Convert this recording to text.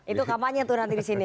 itu kampanye tuh nanti di sini